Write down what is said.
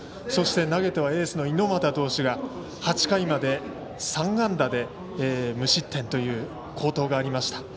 そして投げてはエースの猪俣投手が８回まで３安打で無失点という好投がありました。